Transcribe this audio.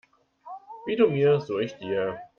Wie du mir, so ich dir.